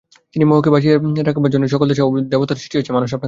সেই মোহকে বাঁচিয়ে রাখবার জন্যেই সকল দেশে দেবতার সৃষ্টি হয়েছে, মানুষ আপনাকে চেনে।